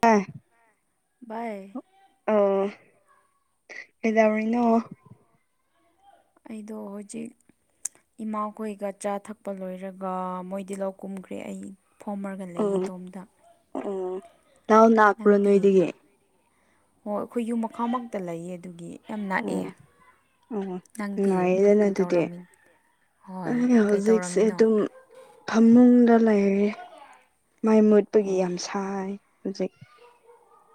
ꯇꯥꯏ ꯚꯥꯏ ꯑꯣ ꯀꯩꯗꯧꯔꯤꯅꯣ ꯑꯩꯗꯣ ꯍꯧꯖꯤꯛ ꯏꯃꯥꯈꯣꯏꯒ ꯆꯥ ꯊꯛꯄ ꯂꯣꯏꯔꯒ ꯃꯣꯏꯗꯤ ꯂꯧ ꯀꯨꯝꯈ꯭ꯔꯦ ꯑꯩ ꯐꯣꯝꯃꯔꯒ ꯂꯩꯌꯦ ꯑꯣ ꯑꯇꯣꯝꯗ ꯑꯣ ꯗꯥꯎ ꯂꯥꯛꯄ꯭ꯔꯣ ꯅꯪꯗꯤ ꯅꯣꯏꯗꯒꯤ ꯍꯣꯏ ꯑꯩꯈꯣꯏ ꯌꯨꯝ ꯃꯈꯥꯃꯛꯇ ꯂꯩꯌꯦ ꯑꯗꯨꯒꯤ ꯌꯥꯝ ꯅꯛꯑꯦ ꯑꯣ ꯑꯣ ꯅꯪꯗꯤ ꯅꯨꯉꯥꯏꯌꯦꯗꯅ ꯀꯩ ꯑꯗꯨꯗꯤ ꯇꯧꯔꯝꯃꯤ ꯍꯣꯏ ꯑꯩꯅ ꯀꯩ ꯍꯧꯖꯤꯛꯁꯦ ꯇꯧꯔꯝꯃꯤꯅꯣ ꯑꯗꯨꯝ ꯐꯝꯃꯨꯡꯗ ꯂꯩꯔꯦ ꯃꯥꯏ ꯃꯨꯠꯄꯒꯤ ꯑꯦ ꯌꯥꯝ ꯁꯥꯏ ꯍꯧꯖꯤꯛ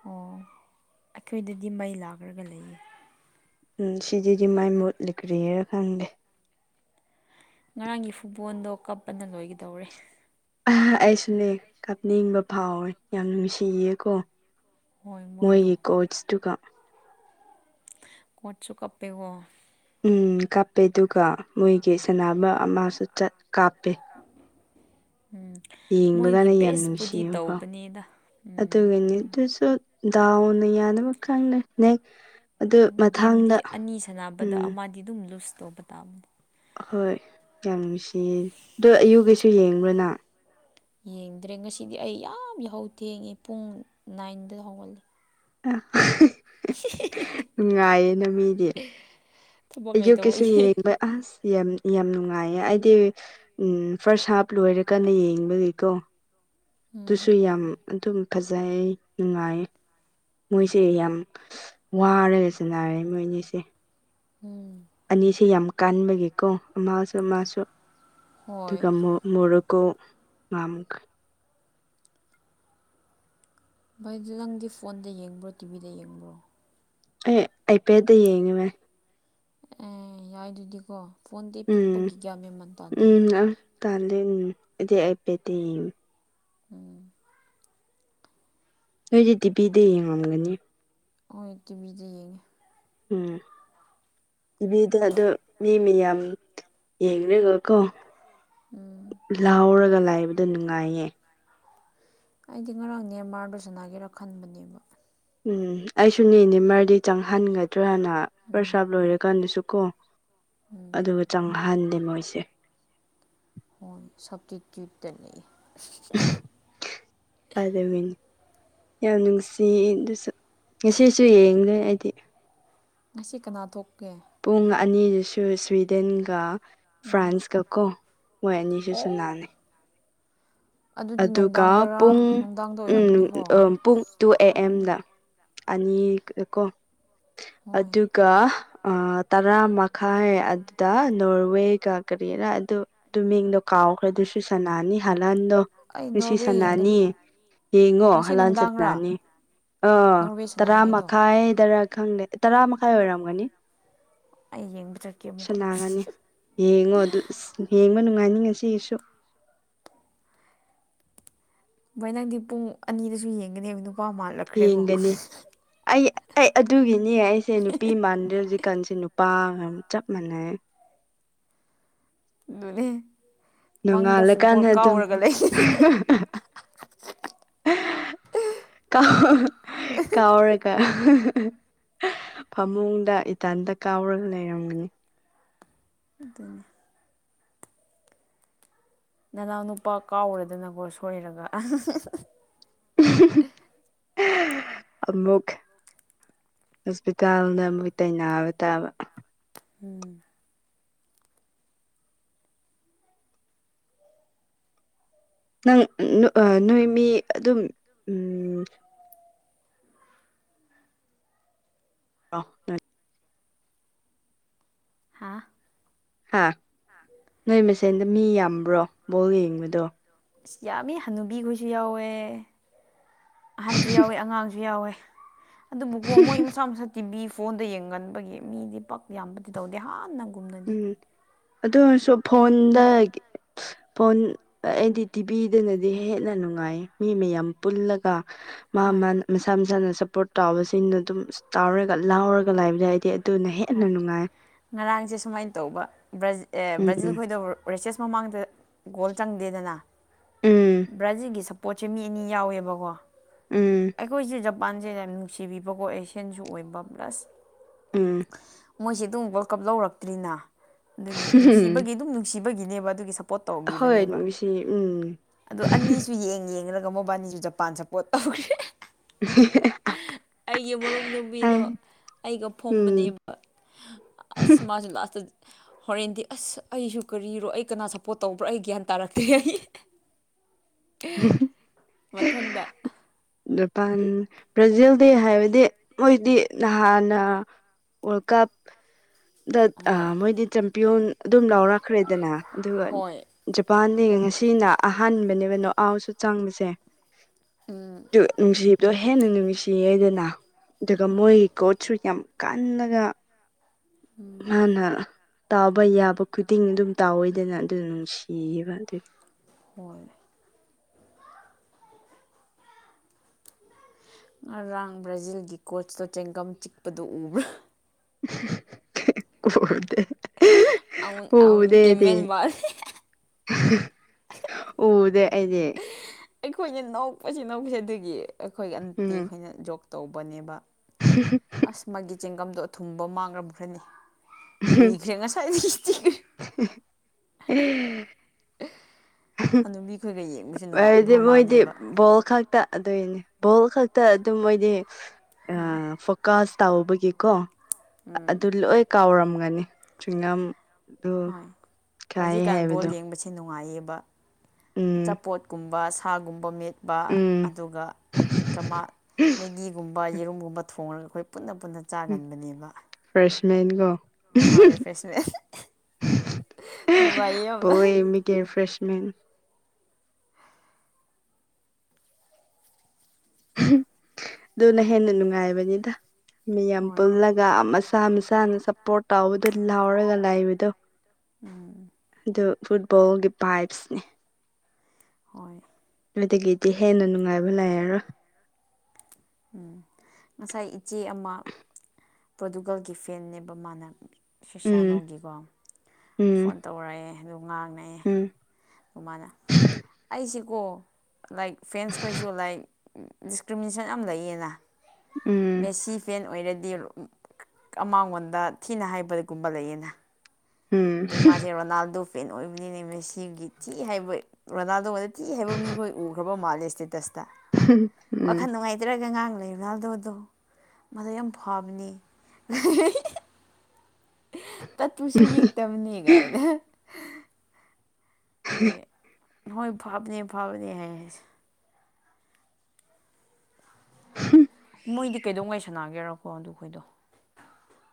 ꯑꯣ ꯑꯩꯈꯣꯏꯗꯗꯤ ꯃꯩ ꯂꯥꯛꯂꯒ ꯂꯩꯌꯦ ꯎꯝ ꯁꯤꯗꯗꯤ ꯃꯥꯏ ꯃꯨꯠꯂꯤ ꯀꯔꯤꯒꯤꯔ ꯈꯪꯗꯦ ꯉꯔꯥꯡꯒꯤ ꯐꯨꯠꯕꯣꯜꯗꯣ ꯀꯞꯄꯅ ꯂꯣꯏꯒꯦ ꯗꯧꯔꯦ ꯑ ꯑꯩꯁꯨꯅꯦ ꯀꯥꯞꯅꯤꯡꯕ ꯐꯥꯎꯋꯦ ꯌꯥꯝ ꯅꯨꯡꯁꯤꯌꯦꯀꯣ ꯍꯣꯏ ꯃꯣꯏꯗꯣ ꯃꯣꯏꯒꯤ ꯀꯣꯆꯇꯨꯒ ꯀꯣꯠꯁꯁꯨ ꯀꯞꯄꯦꯀꯣ ꯎ ꯀꯥꯞꯄꯦ ꯑꯗꯨꯒ ꯃꯣꯏꯒꯤ ꯁꯥꯟꯅꯕ ꯑꯃꯁꯨ ꯆꯠ ꯀꯥꯞꯄꯦ ꯎꯝ ꯃꯣꯏꯒꯤ ꯌꯦꯡꯕꯗꯅ ꯌꯥꯝ ꯕꯦꯁꯄꯨꯗꯤ ꯅꯨꯡꯁꯤꯌꯦꯕꯀꯣ ꯇꯧꯕꯅꯦꯗ ꯎꯝ ꯑꯗꯨꯒꯅꯤ ꯑꯗꯨꯁꯨ ꯗꯥꯎꯅ ꯌꯥꯗꯕ ꯈꯪꯗꯦ ꯅꯦ ꯑꯗꯨꯅꯦ ꯒꯦꯝꯗꯤ ꯑꯅꯤ ꯁꯥꯟꯅꯕꯗ ꯎꯝ ꯑꯃꯗꯤ ꯑꯗꯨꯝ ꯂꯨꯖ ꯇꯧꯕ ꯇꯥꯕ ꯍꯣꯏ ꯌꯥꯝ ꯅꯨꯡꯁꯤꯌꯦ ꯑꯗꯣ ꯑꯌꯨꯛꯒꯤꯁꯨ ꯌꯦꯡꯕ꯭ꯔꯥ ꯅꯪ ꯌꯦꯡꯗ꯭ꯔꯦ ꯉꯁꯤꯗꯤ ꯑꯩ ꯌꯥꯝ ꯌꯥꯍꯧ ꯊꯦꯡꯉꯦ ꯄꯨꯡ ꯅꯥꯏꯟꯗ ꯍꯧꯒꯠꯂꯦ ꯑ ꯅꯨꯡꯉꯥꯏꯌꯦꯅ ꯃꯤꯗꯤ ꯊꯕꯛ ꯑꯌꯨꯛꯀꯤꯁꯨ ꯂꯩꯇꯕꯒꯤ ꯌꯦꯡꯕ ꯑꯁ ꯌꯥꯝ ꯌꯥꯝ ꯅꯨꯡꯉꯥꯏꯌꯦ ꯑꯩꯗꯤ ꯎꯝ ꯐꯥꯔꯁ ꯍꯥꯞ ꯂꯣꯏꯔꯀꯥꯟꯗ ꯌꯦꯡꯕꯒꯤꯀꯣ ꯎꯝ ꯑꯗꯨꯁꯨ ꯌꯥꯝ ꯑꯗꯨꯝ ꯐꯖꯩ ꯅꯨꯡꯉꯥꯏꯌꯦ ꯃꯣꯏꯁꯦ ꯌꯥꯝ ꯋꯥꯔꯒꯁꯨꯅꯔꯦ ꯃꯣꯏ ꯑꯅꯤꯁꯦ ꯎꯝ ꯑꯅꯤꯁꯤ ꯌꯥꯝ ꯀꯥꯟꯕꯒꯤꯀꯣ ꯑꯃꯁꯨ ꯑꯃꯁꯨ ꯍꯣꯏ ꯑꯗꯨꯒ ꯑꯃꯨꯛ ꯃꯣꯔꯣꯀꯧ ꯉꯥꯝꯈ ꯚꯥꯏ ꯅꯪꯗꯤ ꯐꯣꯟꯗ ꯌꯦꯡꯕ꯭ꯔꯣ ꯇꯤꯚꯤꯗ ꯌꯦꯡꯕ꯭ꯔꯣ ꯑꯦ ꯑꯩꯄꯦꯠꯗ ꯌꯦꯡꯉꯤ ꯃꯦ ꯑꯦ ꯌꯥꯏ ꯑꯗꯨꯗꯤꯀꯣ ꯐꯣꯟꯗꯤ ꯄꯤꯛꯄꯒꯤꯒ꯭ꯌꯥ ꯃꯦꯝꯃꯟ ꯇꯥꯟꯗꯦ ꯇꯗꯦꯅꯦ ꯑꯩꯗꯤ ꯑꯥꯏꯄꯦꯠꯇ ꯌꯦꯡꯉꯤ ꯎꯝ ꯅꯣꯏꯗꯤꯗꯤ ꯇꯤꯚꯤꯗ ꯌꯦꯡꯉꯝꯒꯅꯤ ꯍꯣꯏ ꯇꯤꯚꯤꯗ ꯌꯦꯡꯉꯦ ꯎꯝ ꯇꯤꯚꯤꯗ ꯑꯗꯨꯣ ꯃꯤ ꯃꯌꯥꯝ ꯌꯦꯡꯉꯒꯀꯣ ꯎꯝ ꯂꯥꯎꯔꯒ ꯂꯥꯏꯕꯗ ꯅꯨꯡꯉꯥꯏꯌꯦ ꯑꯩꯗꯤ ꯉꯔꯥꯡ ꯅꯦꯝꯃꯥꯔꯒ ꯁꯅꯥꯒꯦꯔ ꯈꯟꯕꯅꯦꯕ ꯎꯝ ꯑꯩꯁꯨ ꯅꯅꯤ ꯅꯦꯃꯔꯗꯤ ꯆꯪꯍꯟꯒꯗ꯭ꯔꯅ ꯄ꯭ꯔꯁꯥꯞ ꯂꯣꯏꯔꯀꯥꯟꯗꯁꯨ ꯀꯣ ꯎꯝ ꯑꯗꯨꯒ ꯆꯪꯍꯟꯗꯦ ꯃꯣꯏꯁꯦ ꯍꯣ ꯁꯕꯇꯤ ꯇ꯭ꯌꯨꯠꯇꯅꯦ ꯑꯗꯨ ꯋꯤꯟ ꯌꯥꯝ ꯅꯨꯡꯁꯤꯌꯦ ꯑꯗꯨꯁꯨ ꯉꯁꯤꯁꯨ ꯌꯦꯡꯗꯣꯏ ꯑꯩꯗꯤ ꯉꯁꯤ ꯀꯅꯥ ꯊꯣꯛꯀꯦ ꯄꯨꯡ ꯑꯅꯤꯗꯨꯁꯨ ꯁ꯭ꯋꯤꯗꯦꯟꯒ ꯎꯝ ꯐ꯭ꯔꯥꯟꯁꯀ ꯀꯣ ꯃꯣꯏ ꯑꯅꯤꯁꯨ ꯑꯣ ꯁꯟꯅꯅꯦ ꯑꯗꯨꯗꯤ ꯑꯗꯨꯒ ꯄꯨꯡ ꯅꯨꯡꯗꯥꯡꯗꯔ ꯅꯨꯡꯗꯥꯡꯗ ꯎꯝ ꯑ ꯑꯣꯏꯔꯝꯅꯤꯀꯣ ꯄꯨꯡ ꯇꯨ ꯑꯦ ꯎꯝ ꯑꯦꯝꯗ ꯑꯅꯤ ꯀꯣ ꯍꯣꯏ ꯑꯗꯨ ꯒ ꯑ ꯇꯔꯥ ꯃꯈꯥꯏ ꯑꯗꯨꯗ ꯅꯣꯔꯋꯦꯒ ꯀꯔꯤꯔꯥ ꯑꯗꯨ ꯑꯗꯨ ꯃꯤꯡꯗꯣ ꯀꯥꯎꯈ꯭ꯔ ꯑꯗꯨꯁꯨ ꯁꯅꯥꯅꯤ ꯍꯥꯜꯂꯟꯗꯣ ꯑꯩ ꯅꯨꯁꯤ ꯅꯣꯔꯋꯦ ꯌꯦꯡꯒꯅꯤ ꯁꯅꯥꯅꯤ ꯌꯦꯡꯉꯣ ꯉꯁꯤ ꯍꯂꯥꯟꯁꯨ ꯅꯨꯡꯗꯥꯡꯔꯥ ꯁꯅꯥꯅꯤ ꯑ ꯅꯣꯔꯋꯦ ꯇꯔꯥ ꯁꯥꯟꯅꯅꯤꯡꯉꯥꯏꯗꯣ ꯃꯈꯥꯏꯗꯔ ꯈꯪꯗꯦ ꯇꯔꯥ ꯃꯈꯥꯏ ꯑꯣꯏꯔꯝꯒꯅꯤ ꯑꯩ ꯌꯦꯡꯕ ꯆꯠꯀꯦ ꯑꯃꯨꯛꯀ ꯁꯅꯥꯒꯅꯤ ꯌꯦꯡꯉꯣ ꯑꯗꯨ ꯑꯁ ꯌꯦꯡꯕ ꯅꯨꯡꯉꯥꯏꯅꯤ ꯉꯁꯤꯁꯨ ꯚꯣꯏ ꯅꯪꯗꯤ ꯄꯨꯡ ꯑꯅꯤꯗꯁꯨ ꯌꯦꯡꯒꯅꯦꯕ ꯅꯨꯄꯥ ꯃꯥꯜꯂꯛ ꯌꯦꯡꯒꯅꯤ ꯑꯩ ꯑꯩ ꯑꯗꯨꯒꯤꯅꯦ ꯑꯩꯁꯦ ꯅꯨꯄꯤ ꯃꯥꯟꯗꯦ ꯍꯧꯖꯤꯛꯀꯥꯟꯁꯦ ꯅꯨꯄꯥꯒ ꯆꯞ ꯃꯥꯟꯅꯩ ꯅꯣꯅꯦ ꯅꯣꯡꯉꯜꯂ ꯀꯥꯟꯗ ꯑꯗꯨꯝ ꯂꯩꯒꯅꯤ ꯀꯥꯎ ꯀꯥꯎꯔꯛ ꯒ ꯐꯃꯨꯡꯗ ꯏꯇꯥꯟꯇ ꯀꯥꯎꯔꯒ ꯂꯩꯔꯝꯒꯅꯤ ꯑꯗꯨꯅꯦ ꯅꯅꯥꯎ ꯅꯨꯄꯥ ꯀꯥꯎꯔꯗꯅꯀꯣ ꯁꯣꯏꯔꯒ [unintelligible] ꯑꯃꯨꯛ ꯍꯣꯁꯄꯤꯇꯥꯜꯗ ꯑꯃꯨꯛ ꯅꯕ ꯇꯥꯕ ꯎꯝ ꯅꯪ ꯑꯥ ꯅꯣꯏ ꯃꯤ ꯑꯗꯨꯝ ꯎꯝ [unintelligible] ꯍꯥ ꯍꯥ ꯅꯣꯏ ꯃꯁꯦꯟꯗ ꯃꯤ ꯌꯥꯝꯕ꯭ꯔꯣ ꯕꯣꯜ ꯌꯦꯡꯕꯗꯣ ꯑꯁ ꯌꯥꯝꯃꯤ ꯍꯅꯨꯕꯤꯈꯣꯏꯁꯨ ꯌꯥꯎꯋꯦ ꯑꯍꯟꯁꯨ ꯌꯥꯎꯋꯦ ꯑꯉꯥꯡꯁꯨ ꯌꯥꯎꯋꯦ ꯑꯗꯨꯕꯨꯀꯣ ꯃꯣꯏ ꯃꯁꯥ ꯃꯁꯥ ꯇꯤꯚꯤ ꯐꯣꯟꯗ ꯌꯦꯡꯒꯟꯕꯒꯤ ꯃꯤꯗꯤ ꯄꯛ ꯌꯥꯝꯕꯗꯤ ꯇꯧꯗꯦ ꯍꯥꯟꯅ ꯎꯝ ꯑꯗꯨ ꯑꯣꯢꯔꯁꯨ ꯐꯣꯟꯗ ꯐꯣꯟ ꯑꯩꯗꯤ ꯇꯤꯚꯤꯗꯅꯗꯤ ꯍꯦꯟꯅ ꯅꯨꯡꯉꯥꯏꯌꯦ ꯃꯤ ꯃꯌꯥꯝ ꯄꯨꯜꯂꯒ ꯃꯥ ꯍꯣꯏ ꯃꯟ ꯃꯁꯥ ꯃꯁꯥꯅ ꯁꯞꯄꯣꯔꯠ ꯇꯥꯕꯁꯤꯡꯅ ꯗꯨꯝ ꯇꯥꯎꯔꯒ ꯂꯥꯎꯔꯒ ꯂꯥꯏꯕꯅꯦ ꯑꯩꯗꯤ ꯗꯨꯅ ꯍꯦꯟꯅ ꯍꯣꯏ ꯅꯨꯡꯉꯥꯏꯌꯦ ꯉꯔꯥꯡꯁꯦ ꯁꯨꯃꯥꯏꯅ ꯇꯧꯕ ꯕ꯭ꯔꯁ ꯑꯦ ꯕ꯭ꯔꯥꯖꯤꯜ ꯎꯝ ꯈꯣꯏꯗꯣ ꯔꯦꯁꯦꯁ ꯃꯃꯥꯡꯗ ꯒꯣꯜ ꯆꯪꯗꯦꯗꯅ ꯎꯝ ꯕ꯭ꯔꯥꯖꯤꯜꯒꯤ ꯁꯞ ꯄꯣꯠꯁꯦ ꯃꯤ ꯑꯅꯤ ꯌꯥꯎꯋꯦꯕꯀꯣ ꯎꯝ ꯑꯩꯈꯣꯏꯁꯦ ꯖꯄꯥꯟꯁꯦ ꯌꯥꯝ ꯅꯨꯡꯁꯤꯕꯤꯕꯀꯣ ꯑꯦꯁꯤꯌꯥꯟꯁꯨ ꯑꯣꯏꯕ ꯄ꯭ꯂꯁ ꯎꯝ ꯃꯣꯏꯁꯦ ꯗꯨꯝ ꯋꯥꯔꯜꯗ ꯀꯞ ꯂꯧꯔꯛꯇ꯭ꯔꯤꯅ ꯑꯗꯨꯒꯤ ꯅꯨꯡꯁꯤꯕꯒꯤ ꯗꯨꯝ ꯅꯨꯡꯁꯤꯕꯒꯤꯅꯦꯕ ꯑꯗꯨꯒꯤ ꯁꯞ ꯄꯣꯠ ꯍꯣꯏ ꯇꯧꯕꯤꯕꯅꯦꯕ ꯅꯨꯡꯁꯤ ꯎꯝ ꯑꯗꯣ ꯑꯅꯤꯁꯨ ꯌꯦꯡ ꯌꯦꯡꯂꯒ ꯃꯣꯏꯕꯥꯅꯤꯁꯨ ꯖꯄꯥꯟ ꯁꯞꯄꯣꯔꯠ ꯇꯧꯌꯦ [unintelligible] ꯑꯩꯒꯤ ꯃꯔꯨꯞ ꯍꯥꯏ ꯅꯨꯨꯕꯤꯗꯣ ꯑꯩꯒ ꯎꯝ ꯐꯣꯝꯕꯅꯦꯕ ꯑꯁ ꯃꯥꯁꯨ ꯂꯥꯁꯇ ꯍꯣꯔꯦꯟꯗꯤ ꯑꯁ ꯑꯩꯁꯨ ꯀꯔꯤꯔꯣ ꯑꯩ ꯀꯅꯥ ꯁꯞꯄꯣꯔꯠ ꯇꯧꯕ꯭ꯔꯥ ꯑꯩ ꯒ꯭ꯌꯥꯟ ꯇꯥꯔꯛꯇ꯭ꯔꯦ ꯑꯩ ꯃꯊꯟꯗ ꯖꯄꯥꯟ ꯕ꯭ꯔꯥꯖꯤꯜꯗꯤ ꯍꯥꯏꯕꯗꯤ ꯃꯣꯏꯗꯤ ꯅꯍꯥꯟꯅ ꯋꯥꯔꯜꯗ ꯀꯞ ꯗ ꯑꯥ ꯍꯣꯏ ꯃꯣꯏꯗꯤ ꯆꯝꯄꯤꯌꯣꯟ ꯑꯗꯨꯝ ꯂꯧꯔꯛꯈ꯭ꯔꯦꯗꯅ ꯑꯗꯨꯢ ꯋꯥꯅꯤ ꯍꯣꯏ ꯖꯄꯥꯟꯗꯤ ꯉꯁꯤꯅ ꯑꯍꯥꯟꯕꯅꯦꯕ ꯅꯣꯑꯥꯎꯁꯨ ꯆꯪꯕꯁꯦ ꯎꯝ ꯗꯨ ꯅꯨꯡꯁꯤꯕꯗꯣ ꯍꯦꯟꯅ ꯅꯨꯡꯁꯤꯌꯦꯗꯅ ꯑꯗꯨꯒ ꯃꯣꯏꯒꯤ ꯀꯣ ꯁꯨ ꯌꯥꯝ ꯀꯟꯂꯒ ꯃꯥꯅ ꯇꯥꯕ ꯌꯥꯕ ꯈꯨꯗꯤꯡ ꯗꯨꯝ ꯇꯥꯎꯏꯗꯅ ꯑꯗꯨꯗꯨꯅ ꯅꯨꯡꯁꯤꯌꯦꯕ ꯑꯗꯨꯒꯤ ꯍꯣꯏ ꯉꯔꯥꯡ ꯕ꯭ꯔꯥꯖꯤꯜꯒꯤ ꯀꯣꯠꯁꯇꯣ ꯆꯦꯡꯒꯝ ꯆꯤꯛꯄꯗꯣ ꯎꯕ꯭ꯔꯥ ꯎꯗꯦ ꯎꯗꯦ ꯑꯩꯗꯤ [unintelligible] ꯎꯗꯦ ꯑꯩꯗꯤ ꯑꯩꯈꯣꯏꯅ ꯅꯣꯛꯄꯁꯤ ꯅꯣꯛꯄꯁꯤ ꯗꯨꯒꯤ ꯑꯈꯣꯏ ꯑꯟꯇꯤ ꯎꯝ ꯈꯣꯏꯅ ꯖꯣꯛ ꯇꯧꯕꯅꯦꯕ ꯑꯁ ꯃꯥꯒꯤ ꯆꯦꯡꯒꯝꯗꯣ ꯑꯊꯨꯝꯕ ꯃꯥꯡꯂꯝꯈ꯭ꯔꯅꯤ ꯀꯣꯖꯤꯛꯁꯦ ꯉꯁꯥꯢꯗꯒꯤ [unintelligible] [unintelligible] ꯍꯅꯨꯕꯤꯈꯣꯏꯒ ꯌꯦꯡꯕꯁꯦ ꯑꯣꯢꯔꯗꯤ ꯅꯨꯡꯉꯥꯏꯕ ꯃꯣꯏꯗꯤ ꯃꯥꯅꯦꯕ ꯕꯣꯜ ꯈꯛ ꯇ ꯑꯗꯨꯏꯅꯤ ꯕꯣꯜ ꯈꯛꯇ ꯑꯗꯨꯝ ꯃꯣꯏꯗꯤ ꯑꯥ ꯐꯨꯠ ꯀꯥꯁ ꯇꯧꯕꯒꯤꯀꯣ ꯑꯗꯨ ꯂꯣꯏ ꯀꯥꯎꯔꯝꯒꯅꯤ ꯆ꯭ꯋꯤꯡꯒꯝ ꯍꯣꯏ ꯍꯧꯖꯤꯛꯀꯥꯟ ꯕꯣꯜ ꯌꯦꯡꯕꯁꯤ ꯅꯨꯡꯉꯥꯏꯌꯦꯕ ꯎꯝ ꯑꯆꯥꯄꯣꯠꯀꯨꯝꯕ ꯁꯥꯒꯨꯝꯕ ꯃꯤꯠ ꯕ ꯎꯝ ꯑꯗꯨꯒ ꯀꯃꯥ ꯃꯦꯒꯤꯒꯨꯝꯕ ꯌꯦꯔꯨꯝꯒꯨꯝꯕ ꯊꯣꯡꯔꯒ ꯑꯩꯈꯣꯏ ꯄꯨꯟꯅ ꯄꯨꯟꯅ ꯆꯥꯒꯟꯕꯅꯦꯕ ꯐ꯭ꯔꯦꯁꯃꯦꯟꯒꯣ ꯌꯣꯢ ꯔꯤꯐ꯭ꯔꯦꯁꯃꯦꯟ ꯅꯨꯡꯉꯥꯏꯌꯦ ꯌꯥꯝꯅ [unintelligible] ꯔꯤꯐ꯭ꯔꯦꯁꯃꯦꯟ ꯗꯨꯅ ꯍꯦꯟꯅ ꯅꯨꯡꯉꯥꯏꯕꯅꯤꯗ ꯃꯤꯌꯥꯝ ꯍꯣꯏ ꯄꯨꯜꯂꯒ ꯃꯁꯥ ꯃꯁꯥꯅ ꯁꯞꯄꯣꯔꯠ ꯇꯥꯎꯕꯗꯣ ꯂꯥꯎꯔꯒ ꯂꯥꯏꯕꯗꯣ ꯎꯝ ꯑꯗꯨ ꯐꯨꯠꯕꯣꯜꯒꯤ ꯚꯥꯏꯖꯁꯅꯦ ꯍꯣꯏ ꯅꯣꯢꯗꯒꯤꯗꯤ ꯍꯦꯟꯅ ꯅꯨꯡꯉꯥꯏꯕ ꯂꯩꯔꯔꯣꯏ ꯎꯝ ꯉꯁꯥꯏ ꯏꯆꯦ ꯑꯃ ꯄ꯭ꯔꯣꯇꯨꯒꯜꯒꯤ ꯐꯦꯟꯅꯦꯕ ꯃꯥꯅ ꯎꯝ ꯁꯤꯁꯥꯅꯣꯒꯤꯀꯣ ꯎꯝ ꯐꯣꯟ ꯇꯧꯔꯛꯑꯦ ꯑꯗꯨ ꯉꯥꯡꯅꯩꯌꯦ ꯎꯝ ꯃꯥꯅꯥ ꯑꯩꯁꯦꯀꯣ ꯂꯥꯏꯛ ꯐꯦꯟꯁꯈꯣꯏꯁꯨ ꯂꯥꯏꯛ ꯗꯤꯁꯀ꯭ꯔꯤꯃꯤꯅꯦꯁꯟ ꯌꯥꯝ ꯂꯩꯌꯦꯅ ꯎꯝ ꯃꯦꯁꯤ ꯐꯦꯟ ꯑꯣꯏꯔꯗꯤ ꯃꯥꯡꯉꯣꯟꯗ ꯊꯤꯅ ꯍꯥꯏꯕꯒꯨꯝꯕ ꯂꯩꯌꯦꯅꯥ ꯎꯝ ꯑꯗꯣ ꯃꯥꯁꯦ ꯔꯣꯅꯥꯜꯗꯣ ꯐꯦꯟ ꯑꯣꯏꯕꯅꯤꯅꯦ ꯃꯦꯁꯤꯒꯤ ꯊꯤ ꯍꯥꯏꯕ ꯔꯣꯅꯥꯜꯗꯣꯍꯣꯏꯗ ꯊꯤ ꯍꯥꯏꯕ ꯃꯤꯈꯣꯏ ꯎꯈ꯭ꯔꯥꯕ ꯃꯥꯜꯂꯦ ꯁꯇꯦꯇꯁꯇ ꯎꯝ ꯋꯥꯈꯟ ꯅꯨꯡꯉꯥꯏ ꯇꯔ꯭ꯒꯥ ꯉꯥꯡ ꯂꯩ ꯔꯣꯅꯥꯜꯗꯣꯗꯣ ꯃꯥꯗꯣ ꯌꯥꯝ ꯐꯥꯕꯅꯦ ꯇꯥꯠꯇꯨꯁꯨ ꯌꯦꯛꯇꯕꯅꯦ ꯒꯥꯏꯅ ꯑꯗꯒꯤ ꯍꯣꯏ ꯐꯥꯕꯅꯦ ꯐꯥꯕꯅꯦ ꯍꯥꯏꯌꯦ ꯑꯩꯁꯦ [unintelligible] ꯃꯣꯏꯗꯤ ꯀꯩꯗꯧꯉꯩ ꯁꯥꯟꯅꯒꯦꯔꯀꯣ ꯑꯗꯨꯈꯣꯏꯗꯣ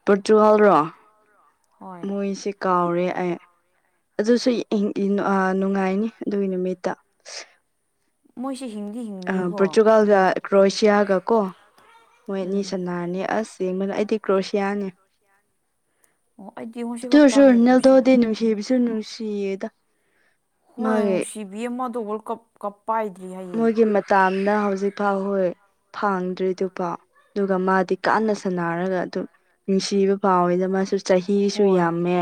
ꯄ꯭ꯔꯣꯇꯨꯒꯜꯔꯣ ꯍꯣꯏ ꯃꯣꯏꯁꯦ ꯀꯥꯎꯔꯦ ꯑꯩ ꯑꯗꯨꯁꯨ [unintelligible] ꯅꯨꯡꯉꯥꯏꯅꯤ ꯑꯗꯨꯒꯤ ꯅꯨꯃꯤꯠꯇ ꯃꯣꯏꯁꯦ ꯍꯤꯡꯗꯤ ꯍꯤꯡ ꯑꯥ ꯄꯣꯔꯇꯨꯒꯜꯒ ꯀ꯭ꯔꯣꯁꯤꯌꯥꯒ ꯀꯣ ꯃꯣꯏ ꯑꯅꯤ ꯁꯥꯟꯅꯔꯅꯤ ꯑꯁ ꯌꯦꯡꯕꯗ ꯑꯩꯗꯤ ꯀ꯭ꯔꯣꯁꯤꯌꯥꯅꯦ ꯑꯩꯗꯤ ꯉꯁꯤ ꯇꯨ ꯈꯛ ꯑꯣꯢꯔꯁꯨ ꯇꯥꯏꯌꯦ ꯔꯣꯅꯦꯜꯗꯣꯗꯤ ꯀ꯭ꯔꯣꯁꯤꯌꯥꯒꯤ ꯅꯨꯡꯁꯤꯕꯤꯁꯨ ꯅꯨꯡꯁꯤꯌꯦꯗ ꯍꯣꯏ ꯃꯥꯒꯤ ꯅꯨꯡꯁꯤꯕꯤꯌꯦ ꯃꯥꯗꯣ ꯋꯥꯔꯜꯗ ꯀꯞ ꯀꯞ ꯄꯥꯏꯗ꯭ꯔꯤ ꯍꯥꯏꯌꯦ ꯇꯥꯝꯅ ꯍꯧꯖꯤꯛ ꯐꯥꯎ ꯍꯣꯏ ꯐꯥꯡꯗ꯭ꯔꯤꯗꯨꯐꯥꯎ ꯑꯗꯨꯒ ꯃꯥꯗꯤ ꯀꯥꯟꯅ ꯁꯥꯟꯅꯔꯒ ꯑꯗꯨꯝ ꯅꯨꯡꯁꯤꯕ ꯐꯥꯎꯋꯦꯗ ꯃꯥꯁꯨ ꯆꯍꯤꯁꯨ ꯍꯣꯏ ꯌꯥꯝꯃꯦ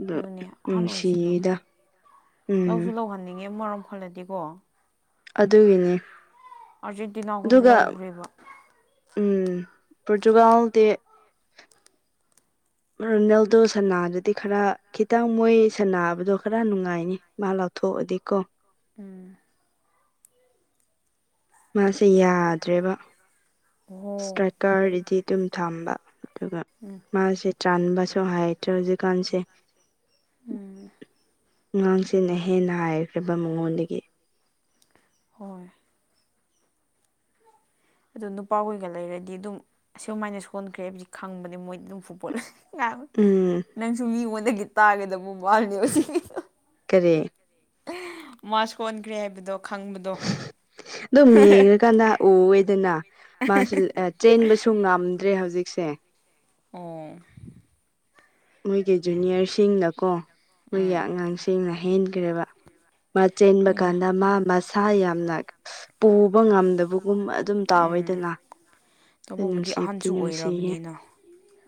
ꯑꯗꯨ ꯑꯗꯨꯅꯦ ꯑꯍꯟ ꯑꯣꯏꯁꯤꯜꯂꯛꯈ꯭ꯔꯦ ꯅꯨꯡꯁꯤꯗ ꯎꯝ ꯂꯧꯁꯨ ꯂꯧꯍꯟꯅꯤꯡꯉꯦ ꯃꯔꯝ ꯈꯜꯂꯗꯤꯀꯣ ꯑꯗꯨꯒꯤꯅꯦ ꯑꯥꯔꯖꯦꯟꯇꯤꯅꯥ ꯍꯣꯏꯗꯤ ꯑꯗꯨꯒ ꯂꯧꯒ꯭ꯔꯦꯕ ꯎꯝ ꯄ꯭ꯔꯣꯇꯨꯒꯥꯜꯗꯤ [inaudible] ꯔꯣꯅꯦꯜꯗꯣ ꯁꯅꯥꯔꯗꯤ ꯈꯔ ꯈꯤꯇꯪ ꯃꯣꯏ ꯁꯟꯅꯥꯕꯗꯣ ꯈꯔ ꯅꯨꯡꯉꯥꯏꯅꯤ ꯃꯥ ꯂꯧꯊꯣꯛꯑꯗꯤ ꯀꯣ ꯎꯝ ꯃꯥꯁꯦ ꯌꯥꯗ꯭ꯔꯦꯕ ꯑꯣ ꯁꯇ꯭ꯔꯥꯏꯀꯔꯗꯗꯤ ꯑꯗꯨꯝ ꯊꯝꯕ ꯗꯨꯒ ꯎꯝ ꯃꯥꯁꯦ ꯆꯥꯟꯕꯁꯨ ꯍꯥꯏꯇ꯭ꯔꯦ ꯍꯧꯖꯤꯛꯀꯥꯟꯁꯦ ꯉꯥꯡꯁꯤꯡꯅ ꯍꯦꯟꯅ ꯍꯩꯈ꯭ꯔꯦꯕ ꯃꯉꯣꯟꯗꯒꯤ ꯍꯣꯏ ꯑꯗꯨ ꯅꯨꯄꯥ ꯍꯣꯏꯒ ꯂꯩꯔꯗꯤ ꯑꯗꯨꯝ ꯑꯁꯨꯃꯥꯏꯅ ꯁꯣꯟꯈ꯭ꯔꯦ ꯍꯥꯏꯕꯗꯤ ꯈꯪꯕꯅꯦ ꯃꯣꯏꯗꯤ ꯑꯗꯨꯝ ꯐꯨꯠꯕꯣꯜ ꯎꯝ ꯅꯪꯁꯨ ꯃꯤꯉꯣꯟꯗꯒꯤ ꯇꯥꯒꯗꯕ ꯃꯥꯜꯂꯤ ꯍꯧꯖꯤꯛꯀꯤꯗꯣ ꯀꯔꯤ ꯃꯥ ꯁꯣꯟꯈ꯭ꯔꯦ ꯍꯥꯏꯕꯗꯣ ꯈꯪꯕꯗꯣ ꯗꯨꯝ ꯌꯦꯡꯔꯀꯥꯟꯗ ꯎꯏꯌꯦꯗꯅꯥ ꯃꯥꯁꯨ ꯆꯦꯟꯕꯁꯨ ꯉꯥꯝꯗ꯭ꯔꯦ ꯍꯧꯖꯤꯛꯁꯦ ꯑꯦ ꯃꯣꯏꯒꯤ ꯖꯨꯅꯤꯌꯔꯁꯤꯡꯅꯀꯣ ꯃꯣꯏꯒꯤ ꯎꯝ ꯑꯉꯥꯡꯁꯤꯡꯅ ꯍꯦꯟꯒ꯭ꯔꯦꯕ ꯃꯥ ꯆꯦꯟꯕ ꯍꯣꯏꯅꯦ ꯀꯥꯟꯗ ꯃꯥ ꯃꯁꯥ ꯌꯥꯝꯅ ꯄꯨꯕ ꯉꯝꯗꯕꯒꯨꯝ ꯑꯗꯨꯝ ꯎꯝ ꯇꯥꯎꯋꯤꯗꯅ ꯗꯣ ꯇꯧꯕꯕꯨꯗꯤ ꯅꯨꯡꯁꯤꯕꯗꯤ ꯑꯍꯟꯁꯨ ꯅꯨꯡꯁꯤꯌꯦ ꯑꯣꯏꯔꯕꯅꯤꯅ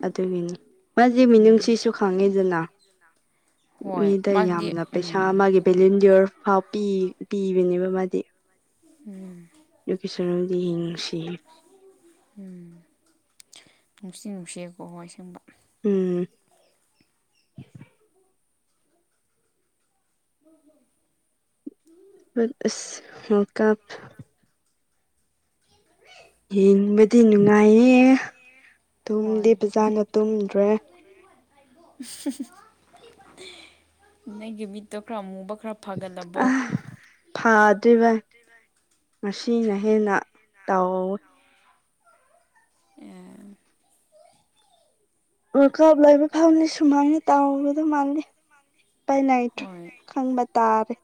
ꯑꯗꯨꯒꯤꯅꯤ ꯃꯥꯖꯦ ꯃꯤꯅꯨꯡꯁꯤꯁꯨ ꯐꯪꯉꯦꯗꯅ ꯍꯣꯏ ꯃꯤꯗ ꯃꯥꯗꯤ ꯌꯥꯝꯅ ꯄꯩꯁꯥ ꯎꯝ ꯃꯥꯒꯤ ꯚꯦꯂꯤꯟꯗꯤꯌꯣꯔ ꯐꯥꯎ ꯄꯤ ꯄꯤꯕꯅꯦꯕ ꯃꯥꯗꯤ ꯎꯝ [unintelligible] ꯅꯨꯡꯁꯤꯌꯦ ꯎꯝ ꯅꯨꯡꯁꯤ ꯅꯨꯡꯁꯤꯀꯣ ꯍꯣꯢ ꯁꯦꯡꯕ ꯎꯝ [unintelligible] ꯑꯁ ꯋ꯭ꯥꯔꯜꯗ ꯀꯞ [inaudible] ꯌꯦꯡꯕꯗꯤ ꯅꯨꯡꯉꯥꯏꯌꯦ ꯇꯨꯝꯗꯤ ꯍꯣꯏ ꯄꯖꯥꯅ ꯇꯨꯝꯗ꯭ꯔꯦ ꯅꯒꯤ ꯃꯤꯠꯇꯣ ꯈꯔ ꯃꯨꯕ ꯈꯔ ꯐꯒꯠꯂꯕꯣ ꯑꯥ ꯐꯥꯗꯣꯢꯕꯥꯢ ꯉꯁꯤꯅ ꯍꯦꯟꯅ ꯇꯧꯋꯦ ꯑꯦ ꯋꯥꯥꯜ ꯀꯥꯞ ꯂꯣꯏꯕ ꯐꯥꯎꯗꯤ ꯁꯨꯃꯥꯏꯅ ꯇꯥꯎꯒꯗꯧ [unintelligible] [unintelligible] ꯈꯪꯕ ꯇꯥꯔꯦ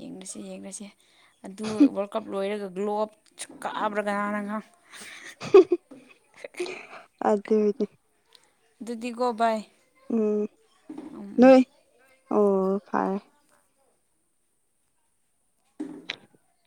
ꯌꯦꯡꯅꯁꯦ ꯌꯦꯡꯔꯁꯦ ꯑꯗꯨ ꯋꯥꯔꯜ ꯀꯞ ꯂꯣꯏꯔꯒ ꯒ꯭ꯂꯣ ꯑꯞ ꯁꯨ ꯀꯥꯕ꯭ꯔꯥ [unintelligible] ꯑꯗꯨꯅꯤ ꯑꯗꯨꯗꯤꯒꯣ ꯕꯥꯏ ꯎꯝ ꯅꯣꯏ ꯑꯣ ꯐꯥꯔꯦ [inaudible]